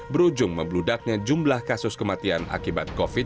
berujung membludaknya jumlah kasus kematian akibat covid sembilan belas